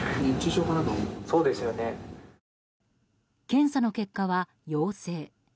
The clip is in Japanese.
検査の結果は陽性。